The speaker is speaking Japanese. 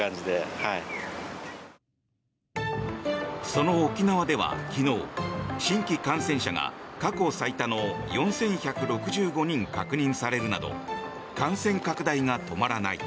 その沖縄では昨日、新規感染者が過去最多の４１６５人確認されるなど感染拡大が止まらない。